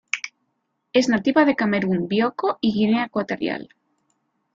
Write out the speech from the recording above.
Es nativa de Camerún, Bioko y Guinea Ecuatorial.